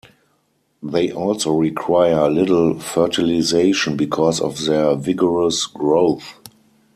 They also require little fertilization because of their vigorous growth.